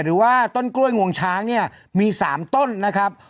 หรือว่าต้นกล้วยงวงช้างเนี่ยมี๓ต้นนะครับ